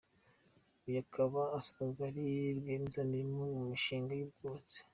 Uyu akaba asanzwe ari rwiyemezamirimo mu mishinga y’ubwubatsi.